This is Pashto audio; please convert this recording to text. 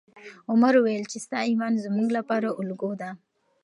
عمر وویل چې ستا ایمان زموږ لپاره الګو ده.